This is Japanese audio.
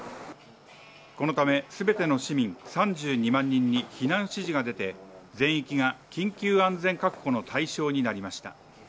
このため全ての市民３２万人に避難指示が出て全域が緊急安全確保の対象になりました。